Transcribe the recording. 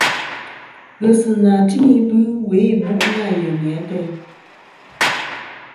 Ghesɨnà tɨm ibɨ we ìbu' nâ yeyni ateyn.